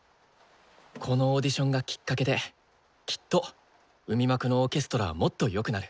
このオーディションがきっかけできっと海幕のオーケストラはもっとよくなる。